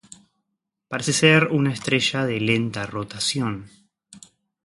Parece ser una estrella de lenta rotación.